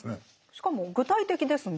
しかも具体的ですね。